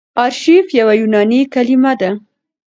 آرشیف يوه یوناني کليمه ده.